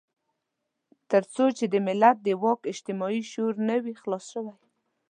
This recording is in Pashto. تر څو چې د ملت د واک اجتماعي شعور نه وي خلاص شوی.